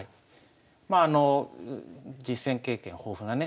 まああの実戦経験豊富なね